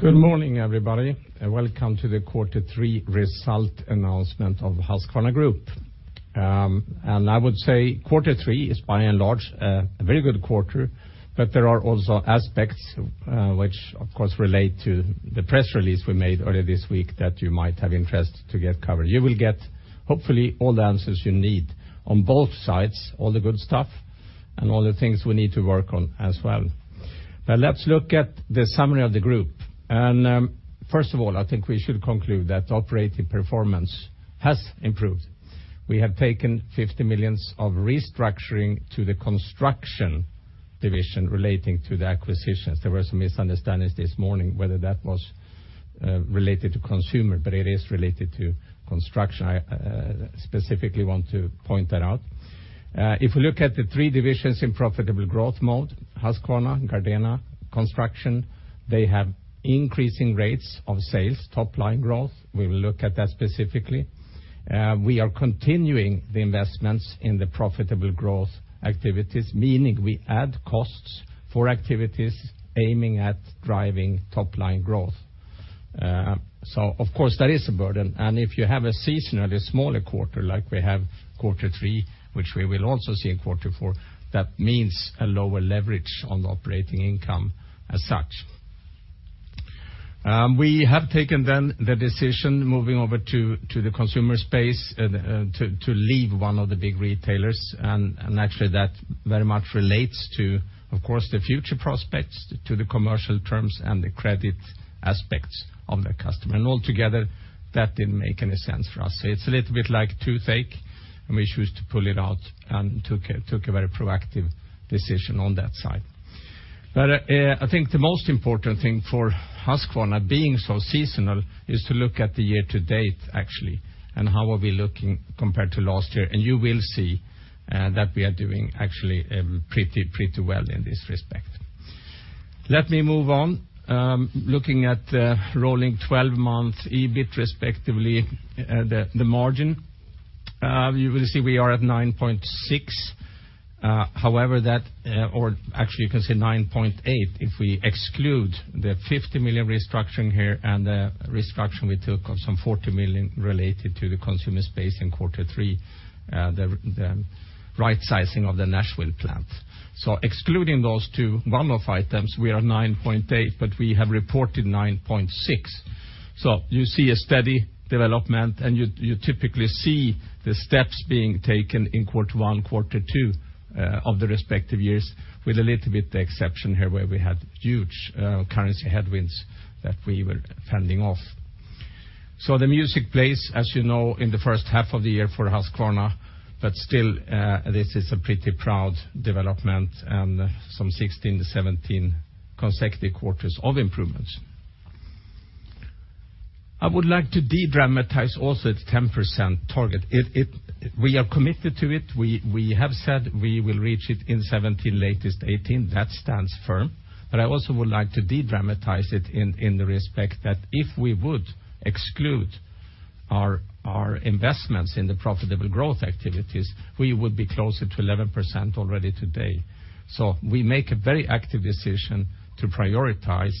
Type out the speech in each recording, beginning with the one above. Good morning, everybody. Welcome to the Quarter 3 result announcement of Husqvarna Group. I would say Quarter 3 is by and large a very good quarter, there are also aspects which, of course, relate to the press release we made earlier this week that you might have interest to get covered. You will get, hopefully, all the answers you need on both sides, all the good stuff, and all the things we need to work on as well. Let's look at the summary of the group. First of all, I think we should conclude that operating performance has improved. We have taken 50 million of restructuring to the Husqvarna Construction relating to the acquisitions. There was a misunderstanding this morning whether that was related to Consumer Brands Division, it is related to Husqvarna Construction. I specifically want to point that out. If we look at the three divisions in profitable growth mode, Husqvarna, Gardena, Husqvarna Construction, they have increasing rates of sales, top-line growth. We will look at that specifically. We are continuing the investments in the profitable growth activities, meaning we add costs for activities aiming at driving top-line growth. Of course, that is a burden, if you have a seasonally smaller quarter like we have Quarter 3, which we will also see in Quarter 4, that means a lower leverage on operating income as such. We have taken then the decision, moving over to the Consumer Brands Division space, to leave one of the big retailers, actually that very much relates to, of course, the future prospects to the commercial terms and the credit aspects of the customer. Altogether, that didn't make any sense for us. It's a little bit like toothache, we choose to pull it out and took a very proactive decision on that side. I think the most important thing for Husqvarna being so seasonal is to look at the year to date, actually, how are we looking compared to last year. You will see that we are doing actually pretty well in this respect. Let me move on. Looking at the rolling 12-month EBIT respectively, the margin. You will see we are at 9.6%. However, that or actually you can say 9.8% if we exclude the 50 million restructuring here and the restructuring we took of some 40 million related to the Consumer Brands Division space in Quarter 3, the rightsizing of the Nashville plant. Excluding those two one-off items, we are 9.8%, we have reported 9.6%. You see a steady development, you typically see the steps being taken in Quarter 1, Quarter 2 of the respective years with a little bit the exception here where we had huge currency headwinds that we were fending off. The music plays, as you know, in the first half of the year for Husqvarna, still, this is a pretty proud development and some 16-17 consecutive quarters of improvements. I would like to de-dramatize also the 10% target. We are committed to it. We have said we will reach it in 2017, latest 2018. That stands firm. I also would like to de-dramatize it in the respect that if we would exclude our investments in the profitable growth activities, we would be closer to 11% already today. We make a very active decision to prioritize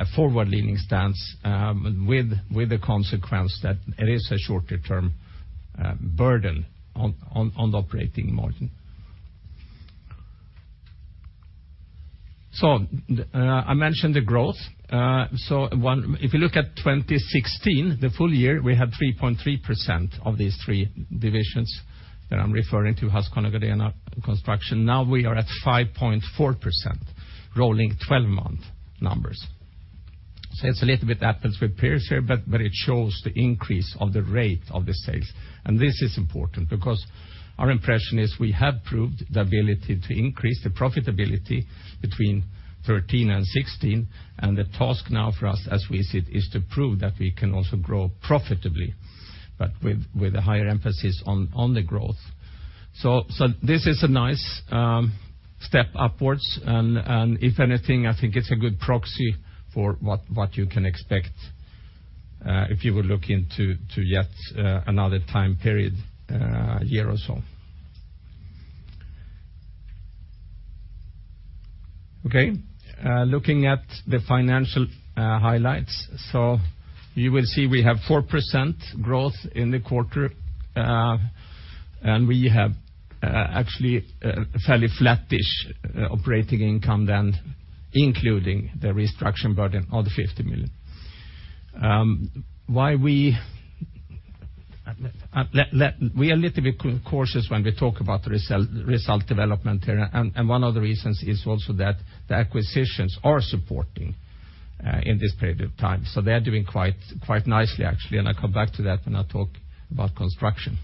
a forward-leaning stance with the consequence that it is a shorter-term burden on the operating margin. I mentioned the growth. If you look at 2016, the full year, we had 3.3% of these three divisions that I'm referring to, Husqvarna, Gardena, and Construction. Now we are at 5.4% rolling 12-month numbers. It's a little bit apples with pears here, but it shows the increase of the rate of the sales. This is important because our impression is we have proved the ability to increase the profitability between 2013 and 2016, and the task now for us, as we said, is to prove that we can also grow profitably, but with a higher emphasis on the growth. This is a nice step upwards, and if anything, I think it's a good proxy for what you can expect if you will look into yet another time period, a year or so. Okay. Looking at the financial highlights. You will see we have 4% growth in the quarter, and we have actually a fairly flattish operating income then, including the restructuring burden of SEK 50 million. We are a little bit cautious when we talk about the result development here, and one of the reasons is also that the acquisitions are supporting in this period of time. They are doing quite nicely, actually, and I'll come back to that when I talk about Construction.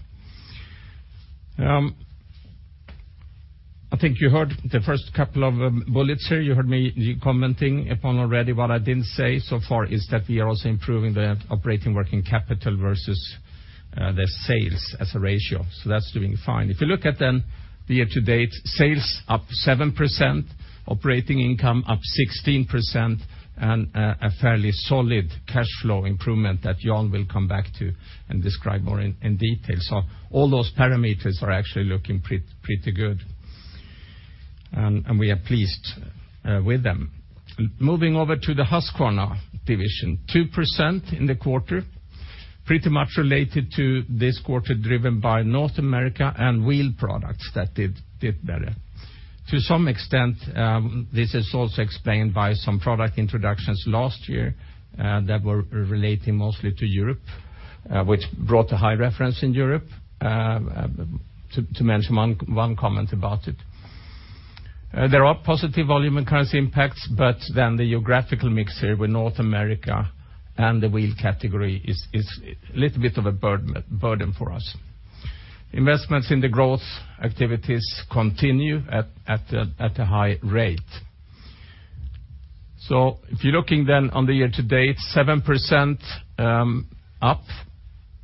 I think you heard the first couple of bullets here. You heard me commenting upon already. What I didn't say so far is that we are also improving the operating working capital versus the sales as a ratio. That's doing fine. If you look at then the year-to-date, sales up 7%, operating income up 16%, and a fairly solid cash flow improvement that Jan will come back to and describe more in detail. All those parameters are actually looking pretty good. We are pleased with them. Moving over to the Husqvarna division, 2% in the quarter, pretty much related to this quarter driven by North America and wheeled products that did better. To some extent, this is also explained by some product introductions last year that were relating mostly to Europe, which brought a high reference in Europe, to mention one comment about it. There are positive volume and currency impacts, the geographical mix here with North America and the wheeled category is a little bit of a burden for us. Investments in the growth activities continue at a high rate. If you're looking then on the year to date, 7% up,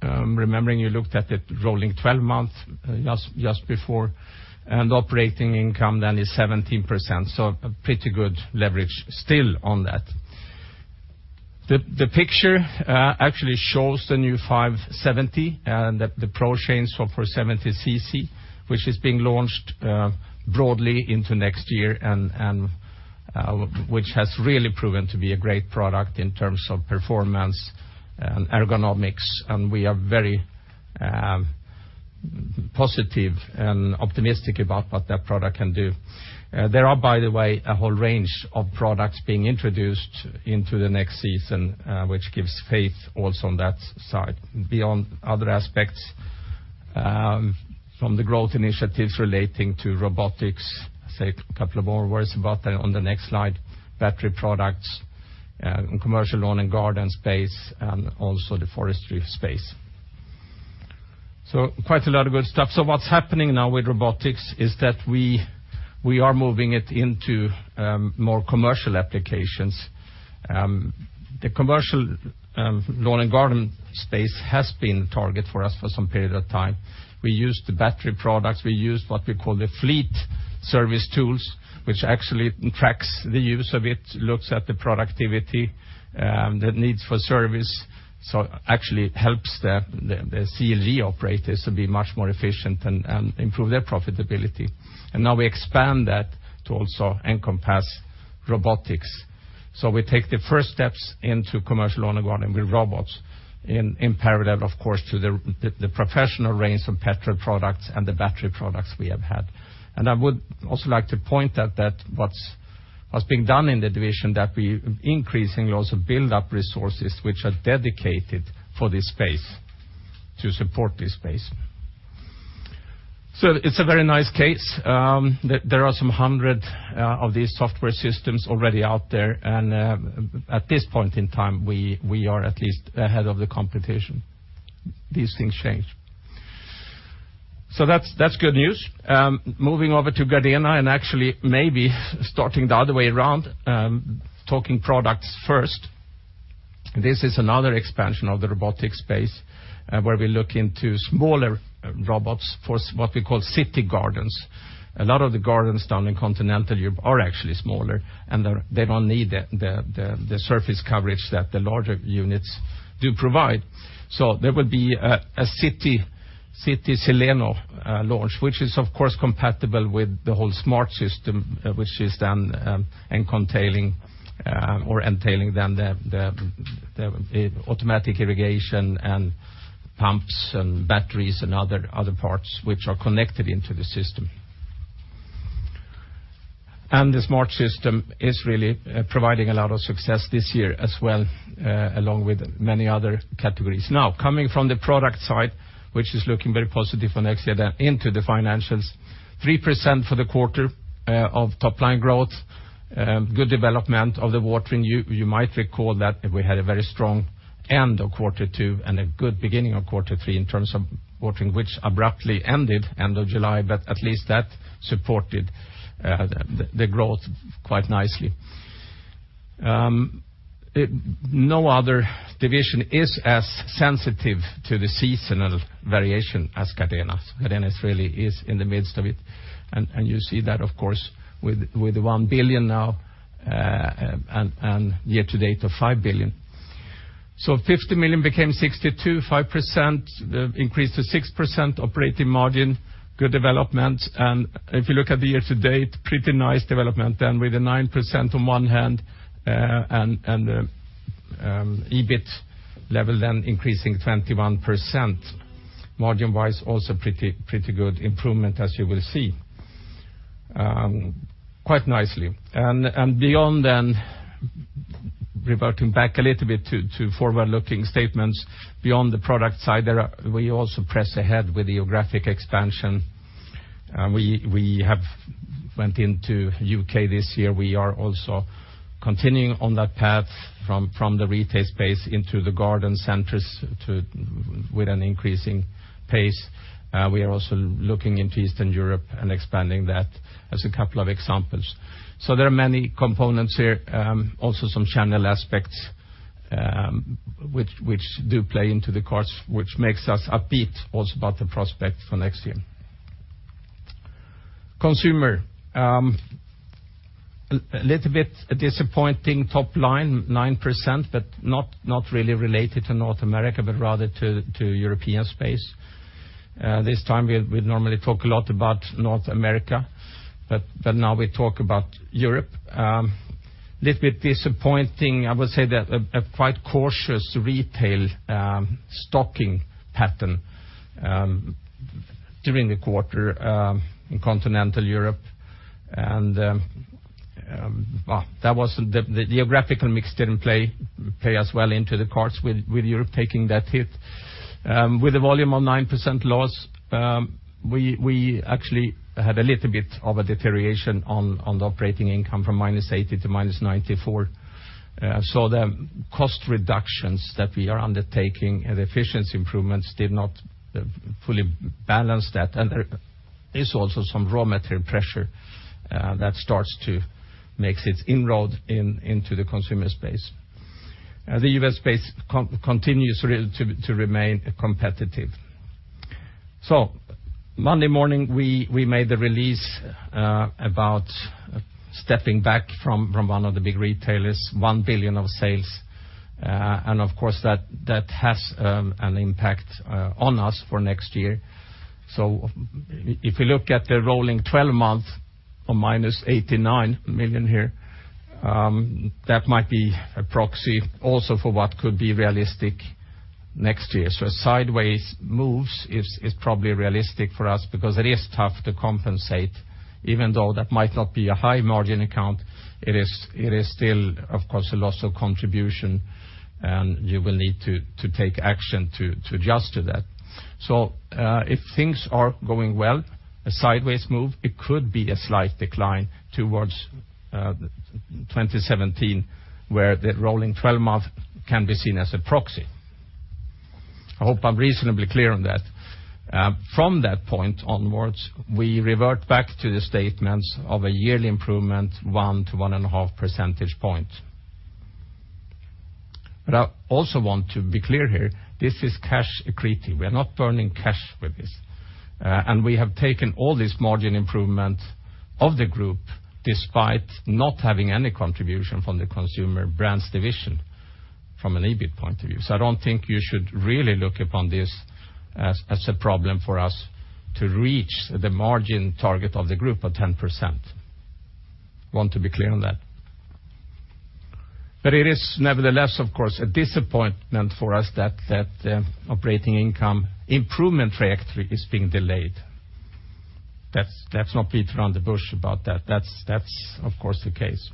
remembering you looked at it rolling 12 months just before, and operating income then is 17%. A pretty good leverage still on that. The picture actually shows the new 570, the pro chain saw for 70cc, which is being launched broadly into next year and which has really proven to be a great product in terms of performance and ergonomics. We are very positive and optimistic about what that product can do. There are, by the way, a whole range of products being introduced into the next season, which gives faith also on that side, beyond other aspects from the growth initiatives relating to robotics. Say a couple of more words about that on the next slide, battery products, commercial lawn and garden space, and also the forestry space. Quite a lot of good stuff. What's happening now with robotics is that we are moving it into more commercial applications. The commercial lawn and garden space has been a target for us for some period of time. We use the battery products, we use what we call the Fleet Services tools, which actually tracks the use of it, looks at the productivity, the needs for service. Actually helps the CLG operators to be much more efficient and improve their profitability. Now we expand that to also encompass robotics. We take the first steps into commercial lawn and garden with robots in parallel, of course, to the professional range of petrol products and the battery products we have had. I would also like to point out that what's being done in the division, that we increasingly also build up resources which are dedicated for this space to support this space. It's a very nice case. There are some 100 of these software systems already out there, and at this point in time, we are at least ahead of the competition. These things change. That's good news. Moving over to Gardena and actually maybe starting the other way around, talking products first. This is another expansion of the robotic space, where we look into smaller robots for what we call city gardens. A lot of the gardens down in continental Europe are actually smaller, and they don't need the surface coverage that the larger units do provide. There will be a city SILENO launch, which is, of course, compatible with the whole smart system, which is then entailing then the automatic irrigation and pumps and batteries and other parts which are connected into the system. The smart system is really providing a lot of success this year as well, along with many other categories. Coming from the product side, which is looking very positive for next year then into the financials, 3% for the quarter of top line growth, good development of the watering. You might recall that we had a very strong end of quarter two and a good beginning of quarter three in terms of watering, which abruptly ended end of July, at least that supported the growth quite nicely. No other division is as sensitive to the seasonal variation as Gardena. Gardena really is in the midst of it, and you see that, of course, with 1 billion now and year to date of 5 billion. 50 million became 62 million, 5% increased to 6% operating margin, good development. If you look at the year to date, pretty nice development then with a 9% on one hand and EBIT level then increasing 21%. Margin-wise, also pretty good improvement as you will see quite nicely. Beyond then, reverting back a little bit to forward-looking statements, beyond the product side, we also press ahead with geographic expansion. We have went into U.K. this year. We are also continuing on that path from the retail space into the garden centers with an increasing pace. We are also looking into Eastern Europe and expanding that as a couple of examples. There are many components here, also some channel aspects which do play into the cards, which makes us upbeat also about the prospect for next year. Consumer. A little bit disappointing top line, 9%, but not really related to North America, but rather to European space. This time we normally talk a lot about North America, but now we talk about Europe. A little bit disappointing, I would say that a quite cautious retail stocking pattern during the quarter in continental Europe, and the geographical mix didn't play as well into the cards with Europe taking that hit. With a volume of 9% loss, we actually had a little bit of a deterioration on the operating income from -80 million to -94 million. The cost reductions that we are undertaking and efficiency improvements did not fully balance that. There is also some raw material pressure that starts to make its inroad into the consumer space. The U.S. space continues to remain competitive. Monday morning we made the release about stepping back from one of the big retailers, 1 billion of sales. Of course, that has an impact on us for next year. If we look at the rolling 12 months of -89 million here, that might be a proxy also for what could be realistic next year. Sideways moves is probably realistic for us because it is tough to compensate, even though that might not be a high margin account, it is still, of course, a loss of contribution, and you will need to take action to adjust to that. If things are going well, a sideways move, it could be a slight decline towards 2017, where the rolling 12 month can be seen as a proxy. I hope I'm reasonably clear on that. From that point onwards, we revert back to the statements of a yearly improvement, 1-1.5 percentage points. I also want to be clear here, this is cash accretive. We are not burning cash with this. We have taken all this margin improvement of the group despite not having any contribution from the Consumer Brands Division from an EBIT point of view. I don't think you should really look upon this as a problem for us to reach the margin target of the group of 10%. Want to be clear on that. It is nevertheless, of course, a disappointment for us that the operating income improvement trajectory is being delayed. Let's not beat around the bush about that. That's of course, the case.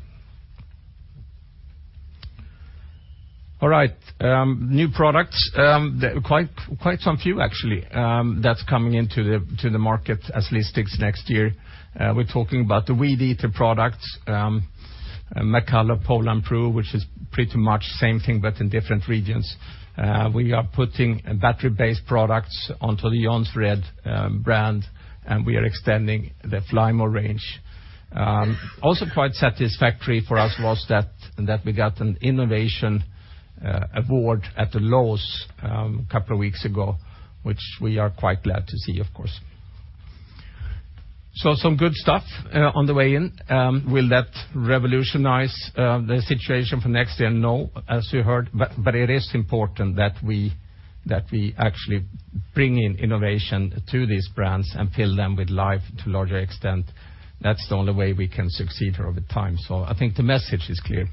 All right. New products, quite some few actually, that's coming into the market as listings next year. We're talking about the Weed Eater products, McCulloch, Poulan Pro, which is pretty much same thing, but in different regions. We are putting battery-based products onto the Jonsered brand, and we are extending the Flymo range. Also quite satisfactory for us was that we got an innovation award at [inaudible] a couple of weeks ago, which we are quite glad to see, of course. Some good stuff on the way in. Will that revolutionize the situation for next year? No, as you heard, it is important that we actually bring in innovation to these brands and fill them with life to a larger extent. That's the only way we can succeed over time. I think the message is clear.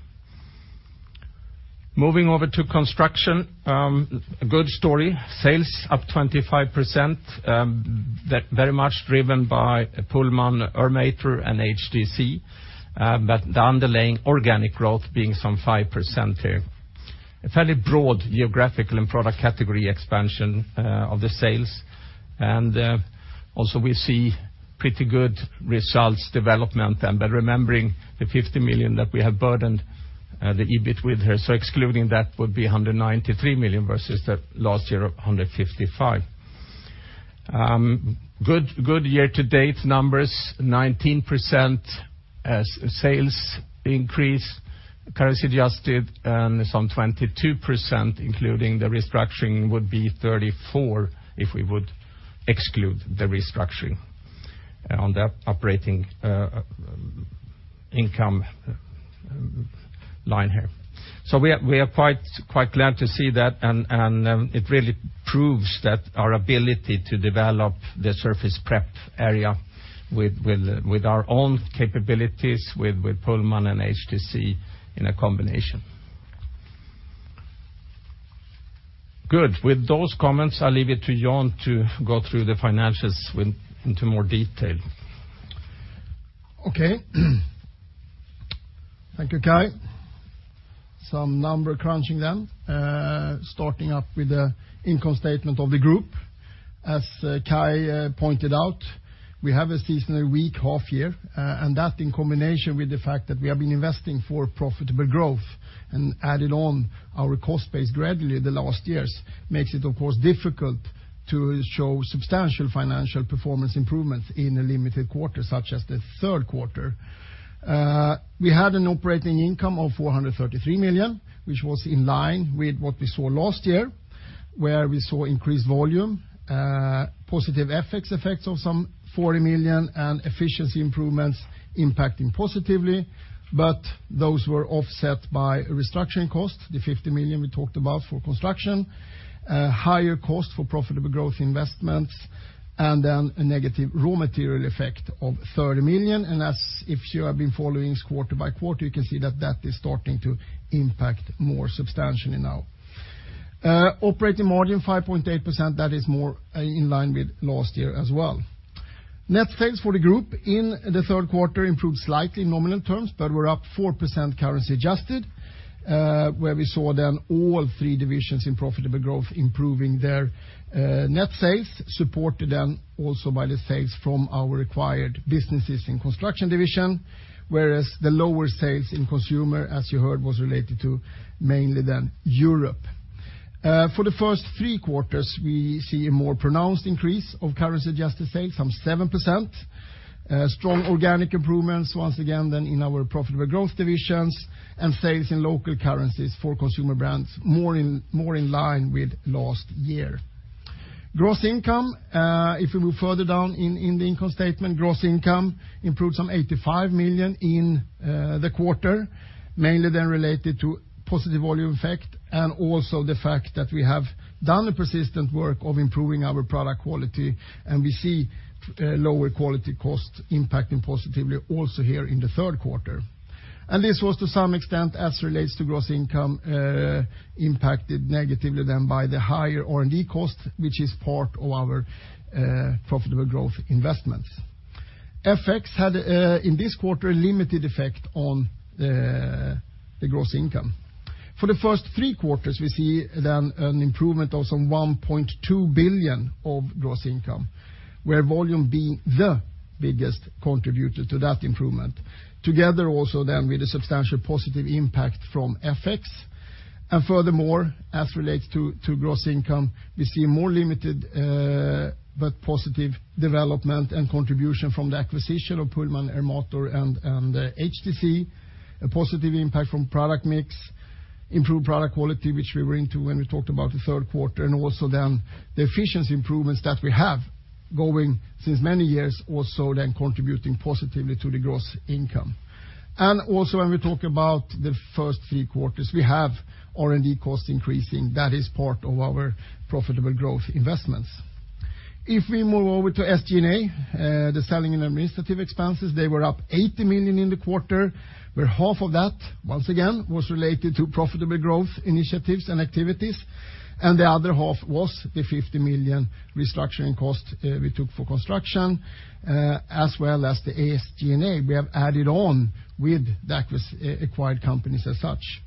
Moving over to Construction. A good story. Sales up 25%, very much driven by Pullman Ermator and HTC, but the underlying organic growth being some 5% here. A fairly broad geographical and product category expansion of the sales. We see pretty good results development, but remembering the 50 million that we have burdened the EBIT with here. Excluding that would be 193 million versus the last year, 155 million. Good year-to-date numbers, 19% as sales increase, currency adjusted, and some 22%, including the restructuring, would be 34% if we would exclude the restructuring on the operating income line here. We are quite glad to see that, and it really proves that our ability to develop the surface prep area with our own capabilities with Pullman and HTC in a combination. Good. With those comments, I'll leave it to Jan to go through the financials into more detail. Okay. Thank you, Kai. Some number crunching. Starting up with the income statement of the group. As Kai pointed out, we have a seasonally weak half year, and that in combination with the fact that we have been investing for profitable growth and added on our cost base gradually the last years makes it, of course, difficult to show substantial financial performance improvements in a limited quarter, such as the third quarter. We had an operating income of 433 million, which was in line with what we saw last year, where we saw increased volume, positive FX effects of some 40 million, and efficiency improvements impacting positively. Those were offset by restructuring costs, the 50 million we talked about for Construction, higher costs for profitable growth investments, and a negative raw material effect of 30 million, and if you have been following us quarter by quarter, you can see that that is starting to impact more substantially now. Operating margin 5.8%, that is more in line with last year as well. Net sales for the group in the third quarter improved slightly in nominal terms, but were up 4% currency adjusted, where we saw all three divisions in profitable growth improving their net sales, supported also by the sales from our acquired businesses in Construction division, whereas the lower sales in Consumer, as you heard, was related to mainly Europe. For the first three quarters, we see a more pronounced increase of currency-adjusted sales, 7%, strong organic improvements once again then in our profitable growth divisions and sales in local currencies for Consumer Brands more in line with last year. If we move further down in the income statement, gross income improved 85 million in the quarter, mainly then related to positive volume effect and also the fact that we have done the persistent work of improving our product quality, and we see lower quality costs impacting positively also here in the third quarter. This was to some extent, as relates to gross income, impacted negatively then by the higher R&D cost, which is part of our profitable growth investments. FX had, in this quarter, a limited effect on the gross income. For the first three quarters, we see then an improvement of 1.2 billion of gross income, where volume being the biggest contributor to that improvement, together also then with a substantial positive impact from FX. Furthermore, as relates to gross income, we see more limited but positive development and contribution from the acquisition of Pullman Ermator and HTC, a positive impact from product mix, improved product quality, which we were into when we talked about the third quarter, also then the efficiency improvements that we have going since many years also then contributing positively to the gross income. Also when we talk about the first three quarters, we have R&D costs increasing. That is part of our profitable growth investments. If we move over to SG&A, the selling and administrative expenses, they were up 80 million in the quarter, where half of that, once again, was related to profitable growth initiatives and activities, and the other half was the 50 million restructuring costs we took for Construction, as well as the SG&A we have added on with the acquired companies as such.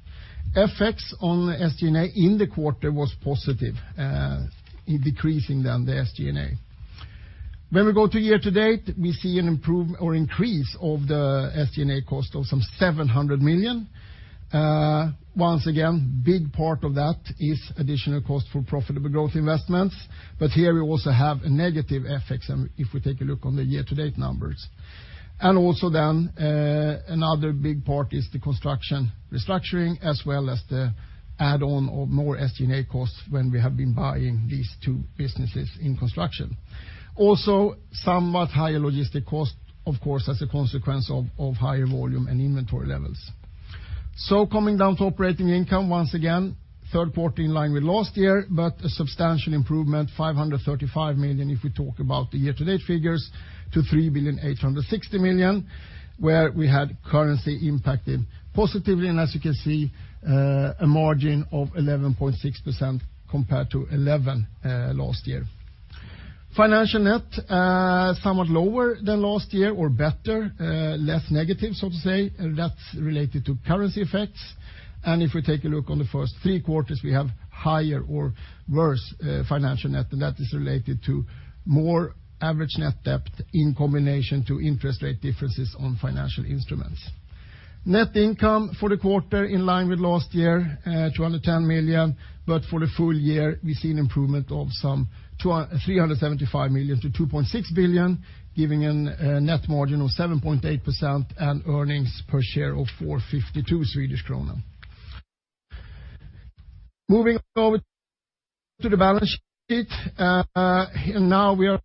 FX on SG&A in the quarter was positive in decreasing then the SG&A. When we go to year-to-date, we see an increase of the SG&A cost of 700 million. Once again, big part of that is additional cost for profitable growth investments, but here we also have a negative FX if we take a look on the year-to-date numbers. Also then another big part is the Construction restructuring as well as the add-on of more SG&A costs when we have been buying these two businesses in Construction. Also, somewhat higher logistic costs, of course, as a consequence of higher volume and inventory levels. Coming down to operating income, once again, third quarter in line with last year, but a substantial improvement, 535 million if we talk about the year-to-date figures, to 3.86 billion, where we had currency impacted positively and as you can see, a margin of 11.6% compared to 11% last year. Financial net, somewhat lower than last year or better, less negative, so to say, that's related to currency effects. If we take a look on the first three quarters, we have higher or worse financial net, and that is related to more average net debt in combination to interest rate differences on financial instruments. Net income for the quarter in line with last year, 210 million, for the full year, we see an improvement of some 375 million to 2.6 billion, giving a net margin of 7.8% and earnings per share of 4.52 Swedish kronor. Moving over to the balance sheet. Now we are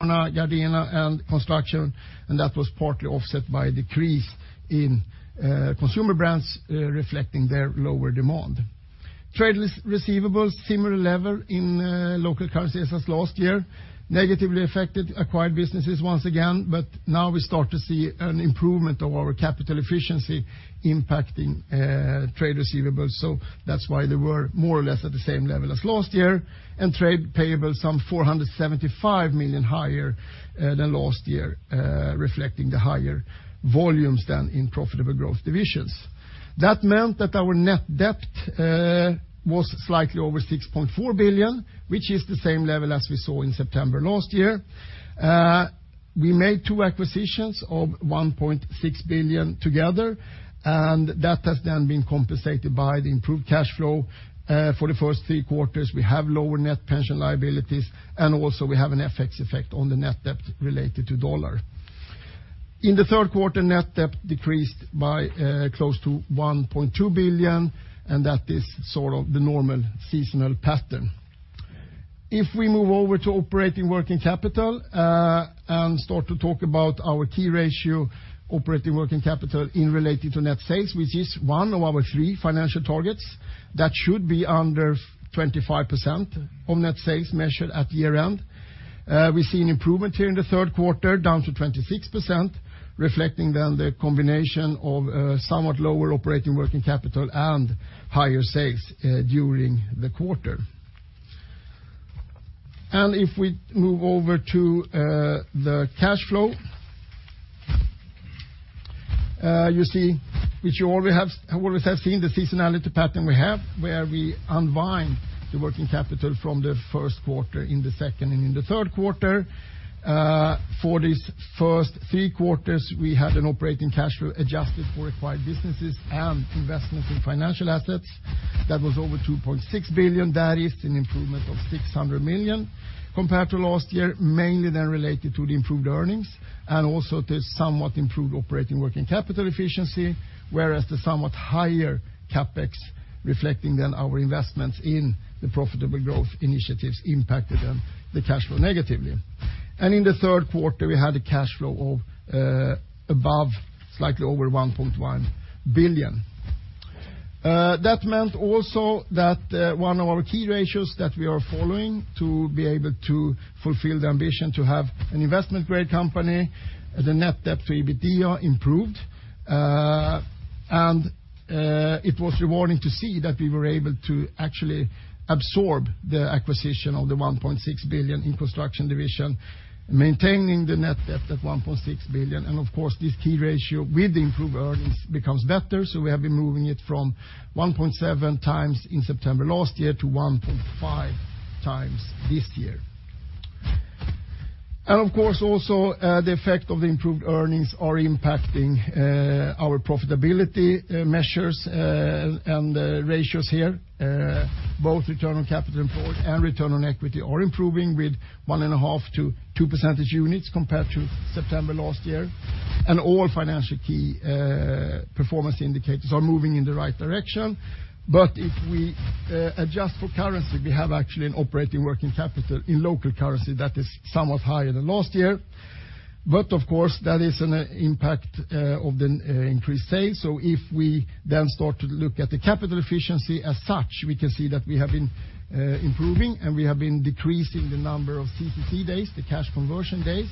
Gardena and Construction, and that was partly offset by a decrease in Consumer Brands, reflecting their lower demand. Trade receivables, similar level in local currencies as last year, negatively affected acquired businesses once again, but now we start to see an improvement of our capital efficiency impacting trade receivables. That's why they were more or less at the same level as last year, and trade payables some 475 million higher than last year, reflecting the higher volumes than in profitable growth divisions. That meant that our net debt was slightly over 6.4 billion, which is the same level as we saw in September last year. We made two acquisitions of 1.6 billion together, and that has then been compensated by the improved cash flow. For the first three quarters, we have lower net pension liabilities, and also we have an FX effect on the net debt related to USD. In the third quarter, net debt decreased by close to 1.2 billion, and that is the normal seasonal pattern. If we move over to operating working capital, and start to talk about our key ratio, operating working capital in relating to net sales, which is one of our three financial targets, that should be under 25% of net sales measured at year-end. We see an improvement here in the third quarter, down to 26%, reflecting then the combination of somewhat lower operating working capital and higher sales during the quarter. If we move over to the cash flow, you see which you always have seen, the seasonality pattern we have, where we unwind the working capital from the first quarter, in the second, and in the third quarter. For these first three quarters, we had an operating cash flow adjusted for acquired businesses and investments in financial assets. That was over 2.6 billion. That is an improvement of 600 million compared to last year, mainly then related to the improved earnings, and also to somewhat improved operating working capital efficiency, whereas the somewhat higher CapEx reflecting then our investments in the profitable growth initiatives impacted then the cash flow negatively. In the third quarter, we had a cash flow of above slightly over 1.1 billion. That meant also that one of our key ratios that we are following to be able to fulfill the ambition to have an investment-grade company, the net debt to EBITDA improved. It was rewarding to see that we were able to actually absorb the acquisition of 1.6 billion in Construction division, maintaining the net debt at 1.6 billion. Of course, this key ratio with improved earnings becomes better. We have been moving it from 1.7 times in September last year to 1.5 times this year. Of course, also, the effect of the improved earnings are impacting our profitability measures and ratios here, both return on capital employed and return on equity are improving with one and a half to two percentage units compared to September last year. All financial key performance indicators are moving in the right direction. If we adjust for currency, we have actually an operating working capital in local currency that is somewhat higher than last year. Of course, that is an impact of the increased sales. If we start to look at the capital efficiency as such, we can see that we have been improving, and we have been decreasing the number of CCC days, the cash conversion days,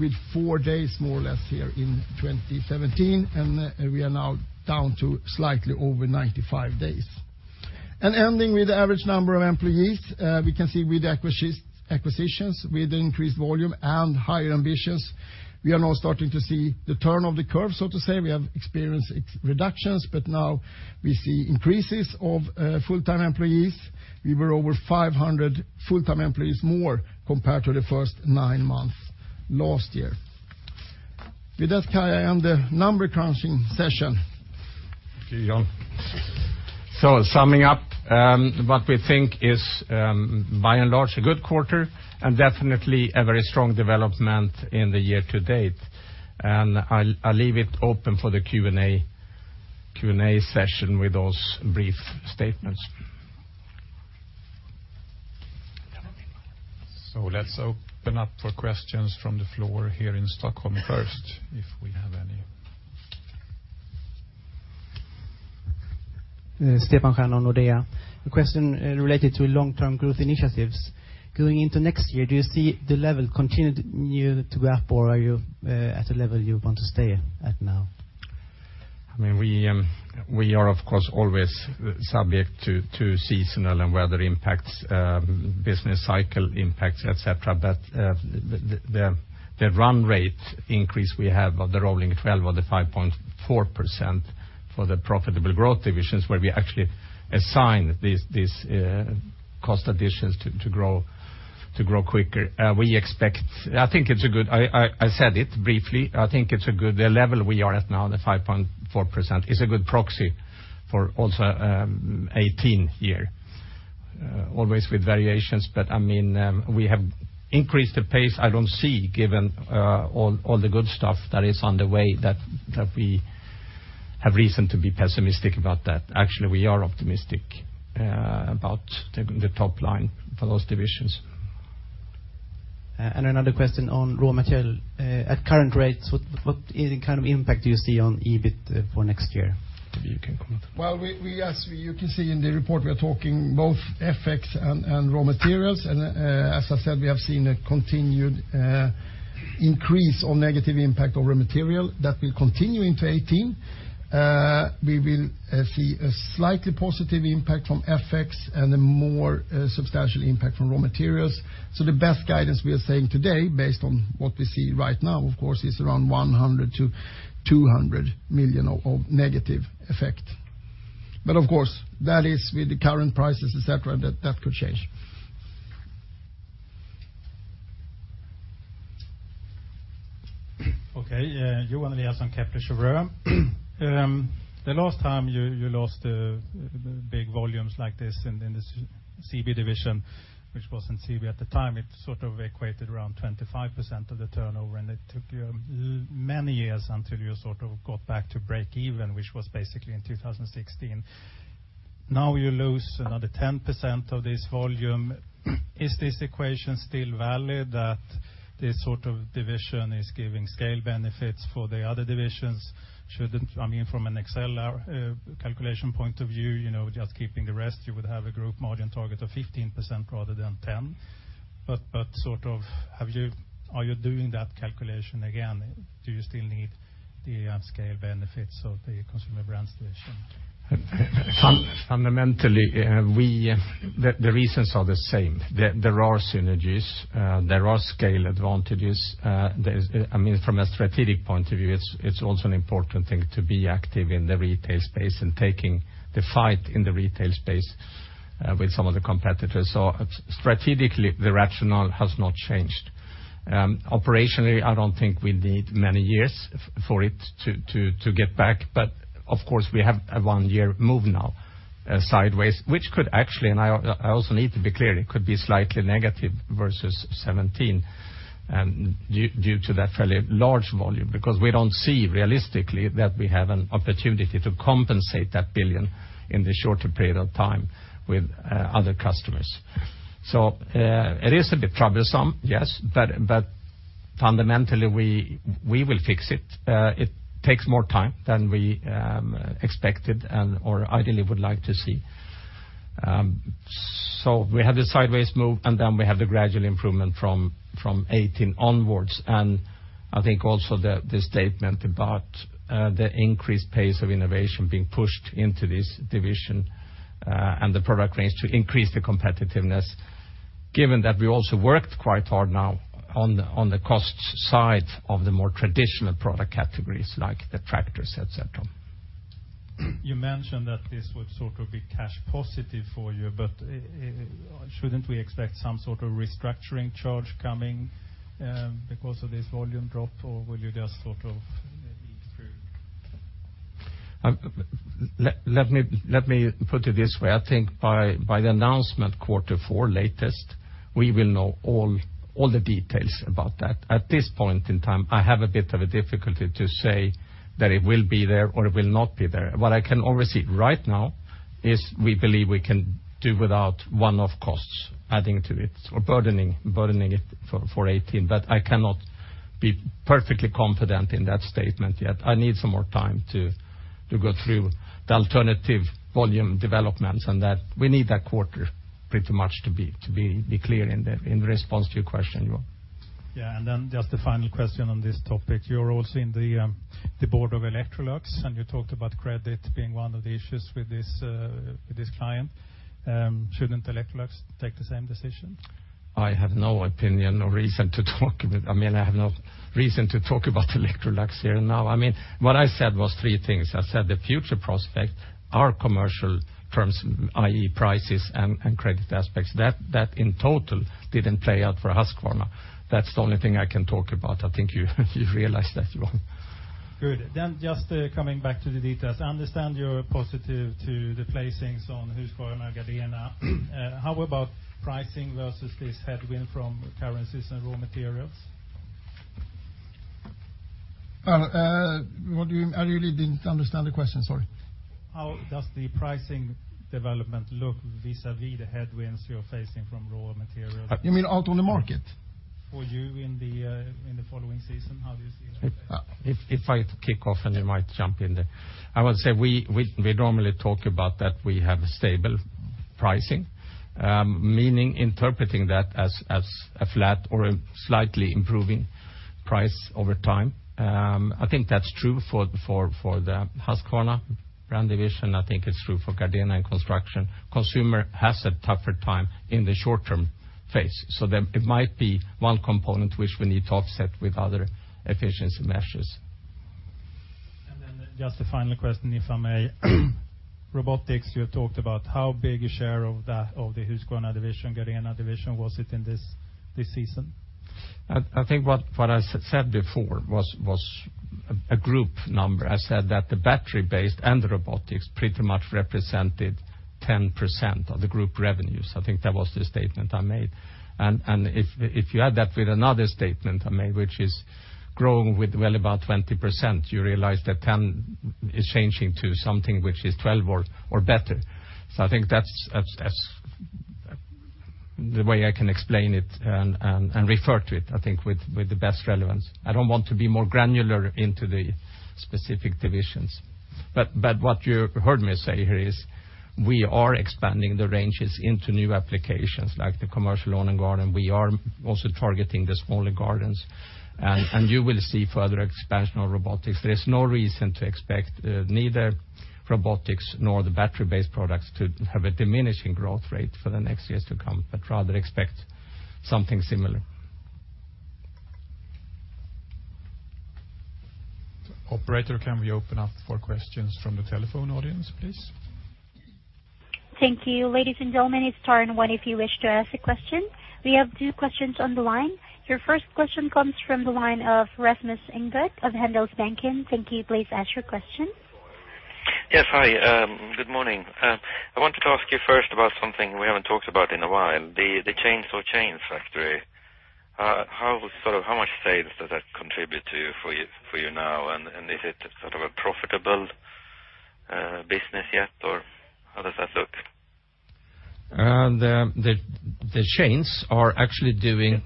with four days, more or less here in 2017, and we are now down to slightly over 95 days. Ending with the average number of employees, we can see with acquisitions, with increased volume and higher ambitions, we are now starting to see the turn of the curve, so to say. We have experienced reductions, now we see increases of full-time employees. We were over 500 full-time employees more compared to the first nine months last year. With that, Kai, I end the number-crunching session. Thank you, Jan. Summing up, what we think is by and large a good quarter, definitely a very strong development in the year to date. I'll leave it open for the Q&A session with those brief statements. Let's open up for questions from the floor here in Stockholm first, if we have any. Stefan Stjernholm on Nordea. A question related to long-term growth initiatives. Going into next year, do you see the level continue to go up, or are you at a level you want to stay at now? The run rate increase we have of the rolling 12 or the 5.4% for the profitable growth divisions where we actually assign these cost additions to grow quicker. I said it briefly, I think it's a good level we are at now, the 5.4%, is a good proxy for also 2018 year. Always with variations, we have increased the pace. I don't see, given all the good stuff that is on the way, that we have reason to be pessimistic about that. Actually, we are optimistic about the top line for those divisions. Another question on raw material. At current rates, what kind of impact do you see on EBIT for next year? Maybe you can comment. Well, as you can see in the report, we are talking both effects and raw materials. As I said, we have seen a continued increase on negative impact of raw material that will continue into 2018. We will see a slightly positive impact from FX and a more substantial impact from raw materials. The best guidance we are saying today, based on what we see right now, of course, is around 100 million-200 million of negative effect. Of course, that is with the current prices, et cetera, that could change. Okay. Johan Eliason, Kepler Cheuvreux. The last time you lost big volumes like this in the CB Division, which was in CB at the time, it sort of equated around 25% of the turnover, and it took you many years until you sort of got back to break even, which was basically in 2016. Now you lose another 10% of this volume. Is this equation still valid, that this sort of division is giving scale benefits for the other divisions? From an Excel calculation point of view, just keeping the rest, you would have a group margin target of 15% rather than 10%. Are you doing that calculation again? Do you still need the scale benefits of the Consumer Brands Division? Fundamentally, the reasons are the same. There are synergies. There are scale advantages. From a strategic point of view, it's also an important thing to be active in the retail space and taking the fight in the retail space with some of the competitors. Strategically, the rationale has not changed. Operationally, I don't think we need many years for it to get back. Of course, we have a one-year move now sideways, which could actually, I also need to be clear, it could be slightly negative versus 2017 due to that fairly large volume, because we don't see realistically that we have an opportunity to compensate that 1 billion in the shorter period of time with other customers. It is a bit troublesome, yes, fundamentally, we will fix it. It takes more time than we expected and/or ideally would like to see. We have the sideways move, then we have the gradual improvement from 2018 onwards. I think also the statement about the increased pace of innovation being pushed into this division and the product range to increase the competitiveness, given that we also worked quite hard now on the cost side of the more traditional product categories like the tractors, et cetera. You mentioned that this would sort of be cash positive for you, shouldn't we expect some sort of restructuring charge coming because of this volume drop, or will you just sort of maybe through? Let me put it this way. I think by the announcement quarter four latest, we will know all the details about that. At this point in time, I have a bit of a difficulty to say that it will be there or it will not be there. What I can oversee right now is we believe we can do without one-off costs adding to it or burdening it for 2018. I cannot be perfectly confident in that statement yet. I need some more time to go through the alternative volume developments and that we need that quarter pretty much to be clear in response to your question, Johan. Yeah, just a final question on this topic. You're also in the board of Electrolux, and you talked about credit being one of the issues with this client. Shouldn't Electrolux take the same decision? I have no opinion or reason to talk. I have no reason to talk about Electrolux here now. What I said was three things. I said the future prospect, our commercial terms, i.e. prices and credit aspects, that in total didn't play out for Husqvarna. That's the only thing I can talk about. I think you realized that, Johan. Good. Just coming back to the details. I understand you're positive to the placings on Husqvarna and Gardena. How about pricing versus this headwind from currencies and raw materials? I really didn't understand the question, sorry. How does the pricing development look vis-à-vis the headwinds you're facing from raw materials? You mean out on the market? For you in the following season, how do you see that? If I kick off, you might jump in there. I would say we normally talk about that we have a stable pricing, meaning interpreting that as a flat or a slightly improving price over time. I think that's true for the Husqvarna division. I think it's true for Gardena and Construction. Consumer has a tougher time in the short-term phase. It might be one component which we need to offset with other efficiency measures. Just a final question, if I may. Robotics, you talked about how big a share of the Husqvarna division, Gardena division was it in this season? I think what I said before was a group number. I said that the battery-based and the robotics pretty much represented 10% of the group revenues. I think that was the statement I made. If you add that with another statement I made, which is growing with well above 20%, you realize that 10 is changing to something which is 12 or better. I think that's the way I can explain it and refer to it, I think, with the best relevance. I don't want to be more granular into the specific divisions. What you heard me say here is we are expanding the ranges into new applications like the commercial lawn and garden. We are also targeting the smaller gardens, and you will see further expansion of robotics. There is no reason to expect neither robotics nor the battery-based products to have a diminishing growth rate for the next years to come, but rather expect something similar. Operator, can we open up for questions from the telephone audience, please? Thank you. Ladies and gentlemen, it's star one if you wish to ask a question. We have two questions on the line. Your first question comes from the line of Rasmus Ingvart of Handelsbanken. Thank you. Please ask your question. Yes. Hi, good morning. I wanted to ask you first about something we haven't talked about in a while, the chainsaw chain factory. How much sales does that contribute for you now? Is it sort of a profitable business yet, or how does that look? The chains are actually doing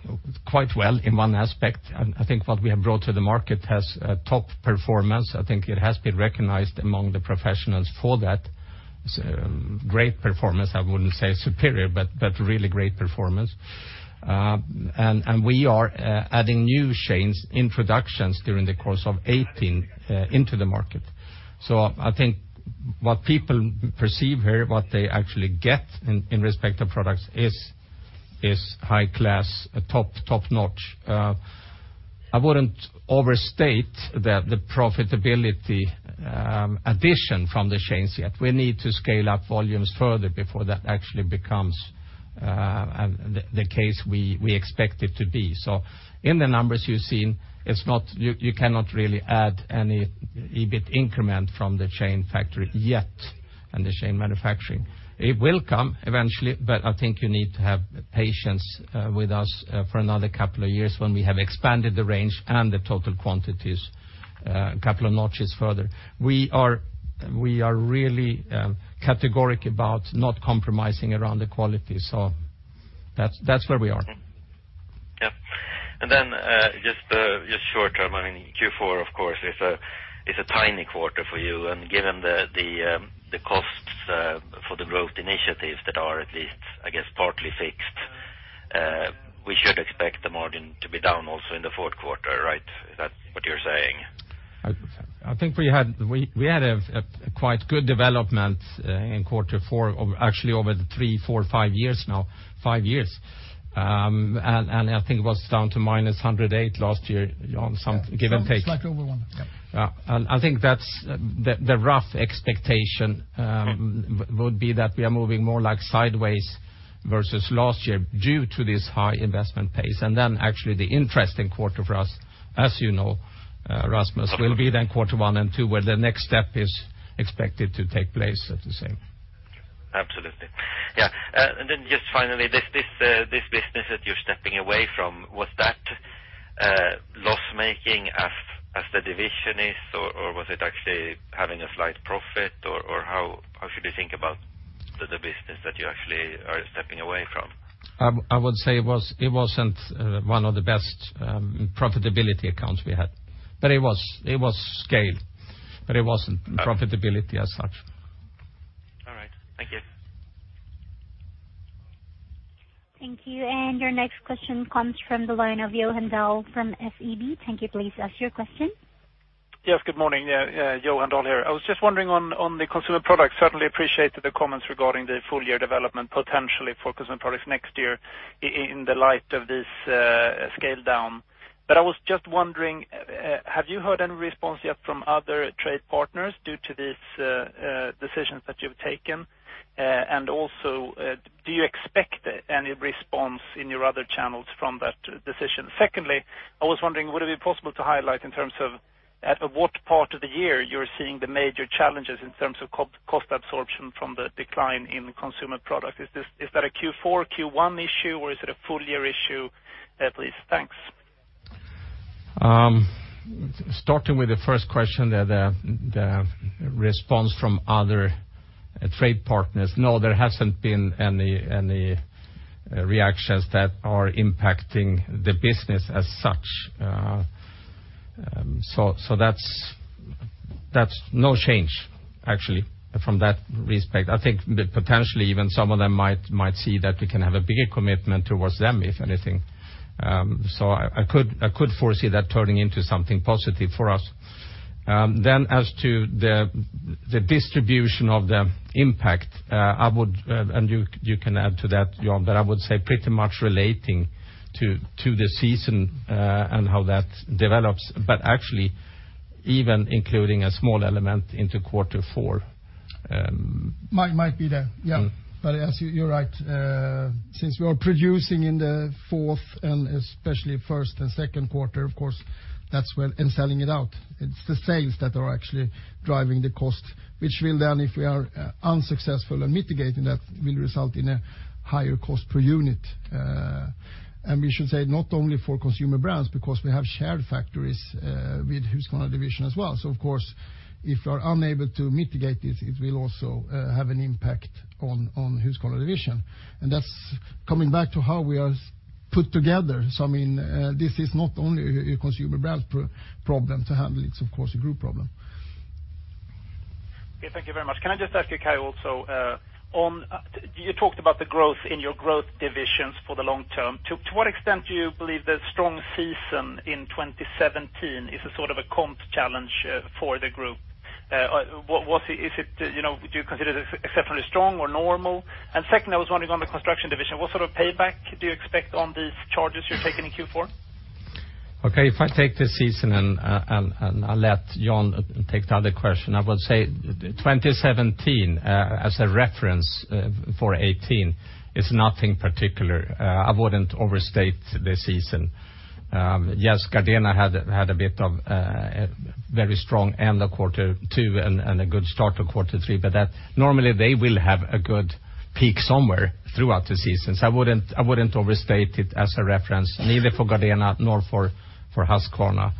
quite well in one aspect. I think what we have brought to the market has a top performance. I think it has been recognized among the professionals for that great performance. I wouldn't say superior, but really great performance. We are adding new chains introductions during the course of 2018 into the market. I think what people perceive here, what they actually get in respect to products is high class, top-notch. I wouldn't overstate that the profitability addition from the chains yet. We need to scale up volumes further before that actually becomes the case we expect it to be. In the numbers you've seen, you cannot really add any EBIT increment from the chain factory yet and the chain manufacturing. It will come eventually. I think you need to have patience with us for another couple of years when we have expanded the range and the total quantities a couple of notches further. We are really categoric about not compromising around the quality. That's where we are. Yep. Then, just short term, I mean, Q4 of course is a tiny quarter for you. Given the costs for the growth initiatives that are at least, I guess, partly fixed, we should expect the margin to be down also in the fourth quarter, right? Is that what you're saying? I think we had a quite good development in quarter four, actually over the three, four, five years now. Five years. I think it was down to -108 last year on some give and take. Slight over one, yeah. I think that's the rough expectation would be that we are moving more like sideways versus last year due to this high investment pace. Actually the interesting quarter for us, as you know, Rasmus, will be then quarter one and two, where the next step is expected to take place, as you say. Absolutely. Yeah. Just finally, this business that you're stepping away from, was that loss-making as the division is, or was it actually having a slight profit, or how should we think about the business that you actually are stepping away from? I would say it wasn't one of the best profitability accounts we had. It was scale, but it wasn't profitability as such. All right. Thank you. Thank you. Your next question comes from the line of Johan Dahl from SEB. Thank you. Please ask your question. Yes, good morning. Yeah, Johan Dahl here. I was just wondering on the consumer products. Certainly appreciated the comments regarding the full year development potentially for consumer products next year in the light of this scale down. I was just wondering, have you heard any response yet from other trade partners due to these decisions that you've taken? Also, do you expect any response in your other channels from that decision? Secondly, I was wondering, would it be possible to highlight in terms of at what part of the year you're seeing the major challenges in terms of cost absorption from the decline in consumer product? Is that a Q4, Q1 issue, or is it a full year issue at least? Thanks. Starting with the first question there, the response from other trade partners. No, there hasn't been any reactions that are impacting the business as such. That's no change actually from that respect. I think potentially even some of them might see that we can have a bigger commitment towards them, if anything. I could foresee that turning into something positive for us. As to the distribution of the impact, you can add to that, Johan, I would say pretty much relating to the season, and how that develops. Actually even including a small element into quarter four Might be there, yeah. You're right. Since we are producing in the fourth and especially first and second quarter, of course, and selling it out, it's the sales that are actually driving the cost, which will then, if we are unsuccessful in mitigating that, will result in a higher cost per unit. We should say not only for Consumer Brands, because we have shared factories with Husqvarna Division as well. Of course, if we are unable to mitigate this, it will also have an impact on Husqvarna Division. That's coming back to how we are put together. This is not only a Consumer Brands problem to handle, it's of course a group problem. Okay, thank you very much. Can I just ask you, Kai, also, you talked about the growth in your growth divisions for the long term. To what extent do you believe the strong season in 2017 is a sort of a comp challenge for the group? Do you consider it exceptionally strong or normal? Second, I was wondering on the Construction Division, what sort of payback do you expect on these charges you're taking in Q4? Okay, if I take the season and I let Jan take the other question. I would say 2017 as a reference for 2018 is nothing particular. I wouldn't overstate the season. Yes, Gardena had a bit of a very strong end of quarter 2 and a good start to quarter 3, normally they will have a good peak somewhere throughout the season. I wouldn't overstate it as a reference, neither for Gardena nor for Husqvarna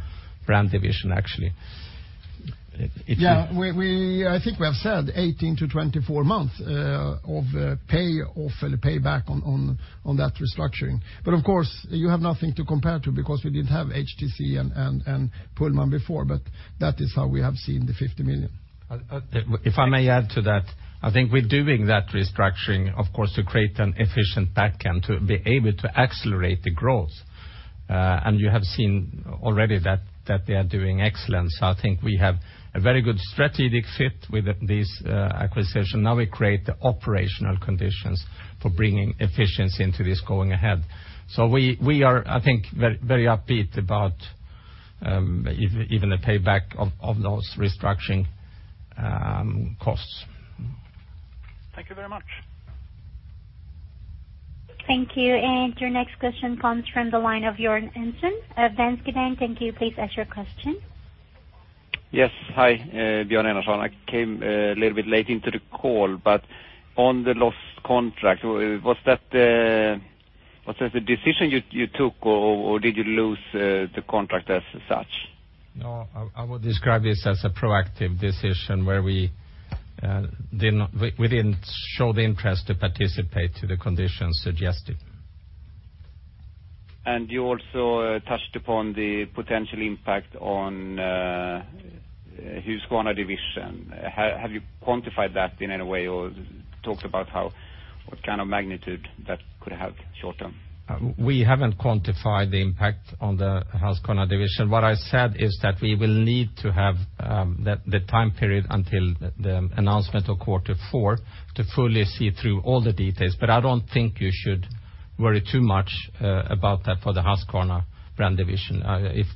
Brand Division, actually. Yeah. I think we have said 18 to 24 months of pay off or payback on that restructuring. Of course, you have nothing to compare to because we didn't have HTC and Pullman before, that is how we have seen the 50 million. If I may add to that, I think we're doing that restructuring, of course, to create an efficient backend to be able to accelerate the growth. You have seen already that they are doing excellent. I think we have a very good strategic fit with this acquisition. Now we create the operational conditions for bringing efficiency into this going ahead. We are, I think, very upbeat about even the payback of those restructuring costs. Thank you very much. Thank you. Your next question comes from the line of Björn Enarson of DNB. Thank you. Please ask your question. Yes. Hi, Björn Enarson. I came a little bit late into the call, but on the lost contract, was that a decision you took or did you lose the contract as such? No, I would describe this as a proactive decision where we didn't show the interest to participate to the conditions suggested. You also touched upon the potential impact on Husqvarna Division. Have you quantified that in any way or talked about what kind of magnitude that could have short term? We haven't quantified the impact on the Husqvarna Division. What I said is that we will need to have the time period until the announcement of quarter four to fully see through all the details. I don't think you should worry too much about that for the Husqvarna Brand Division.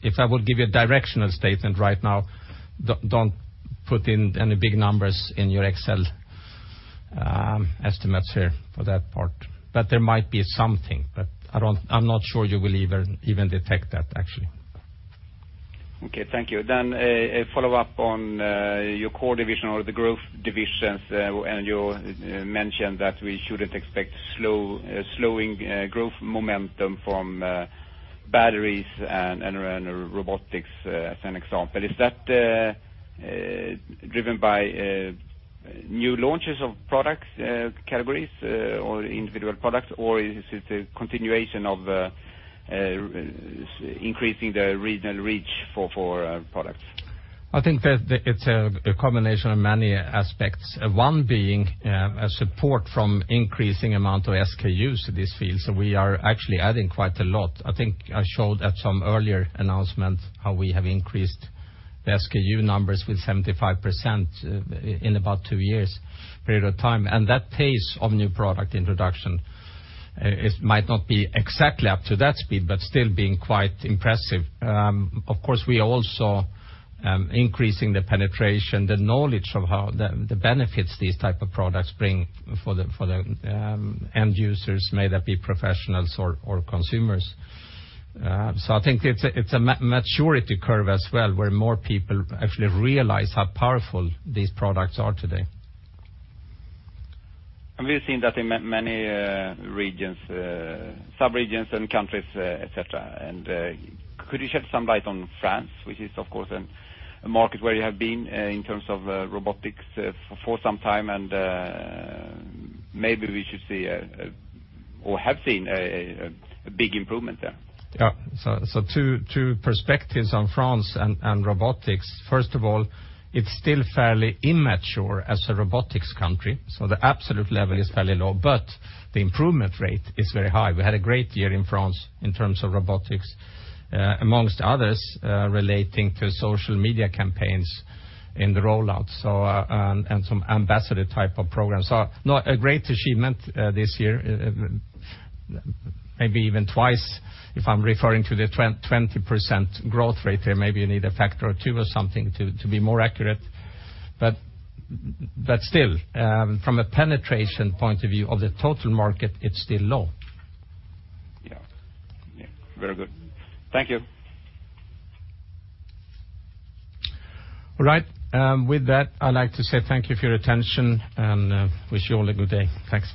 If I would give you a directional statement right now, don't put in any big numbers in your Excel estimates here for that part. There might be something, but I'm not sure you will even detect that, actually. Okay, thank you. A follow-up on your core division or the growth divisions, you mentioned that we shouldn't expect slowing growth momentum from batteries and robotics as an example. Is that driven by new launches of product categories or individual products, or is it a continuation of increasing the regional reach for products? I think that it's a combination of many aspects. One being a support from increasing amount of SKUs to these fields. We are actually adding quite a lot. I think I showed at some earlier announcement how we have increased the SKU numbers with 75% in about two years period of time. That pace of new product introduction, it might not be exactly up to that speed, but still being quite impressive. Of course, we are also increasing the penetration, the knowledge of the benefits these type of products bring for the end users, may that be professionals or consumers. I think it's a maturity curve as well, where more people actually realize how powerful these products are today. We've seen that in many regions, sub-regions and countries, et cetera. Could you shed some light on France, which is, of course, a market where you have been in terms of robotics for some time, and maybe we should see or have seen a big improvement there? Yeah. Two perspectives on France and robotics. First of all, it's still fairly immature as a robotics country, so the absolute level is fairly low, but the improvement rate is very high. We had a great year in France in terms of robotics, amongst others, relating to social media campaigns in the rollout and some ambassador type of programs. A great achievement this year, maybe even twice if I'm referring to the 20% growth rate there. Maybe you need a factor or two or something to be more accurate. Still, from a penetration point of view of the total market, it's still low. Yeah. Very good. Thank you. All right. With that, I'd like to say thank you for your attention and wish you all a good day. Thanks.